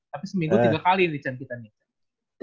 tapi seminggu tiga kali nih cen kita